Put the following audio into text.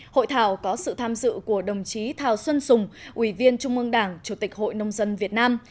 hội thảo có sự tham dự của đồng chí thảo xuân sùng ủy viên trung ương đảng chủ tịch hội nông dân việt nam